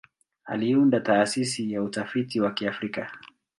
Aliunda Taasisi ya Utafiti wa Kiafrika.